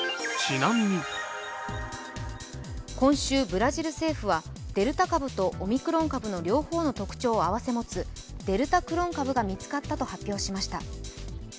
今週ブラジル政府はデルタ株とオミクロン株両方の特徴を併せ持つデルタクロン株が見つかったと発表しました。